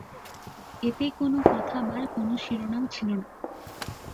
এতে কোন কথা বা কোন শিরোনাম ছিল না।